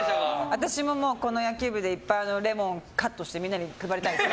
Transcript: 私も、この野球部でいっぱいレモンカットしてみんなに配りたいです。